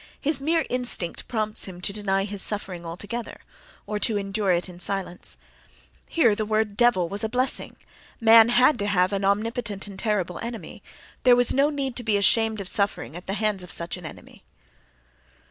(His mere instinct prompts him to deny his suffering altogether, or to endure it in silence.) Here the word "devil" was a blessing: man had to have an omnipotent and terrible enemy—there was no need to be ashamed of suffering at the hands of such an enemy.